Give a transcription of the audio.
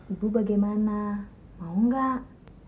ibu bagaimana mau gak